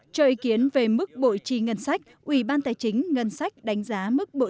trời kiến về mức bội trì ngân sách ủy ban tài chính ngân sách đánh giá mức bộ trí